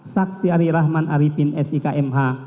saksi arif rahman arifin s i k m h